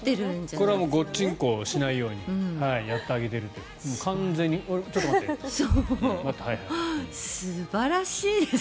これはごっちんこしないようにやってあげていると思います。